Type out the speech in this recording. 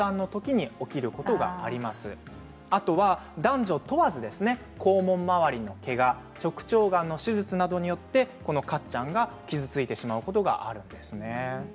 あとは男女問わず肛門周りのけがや直腸がんの手術などによってカッちゃんが傷ついてしまうことがあります。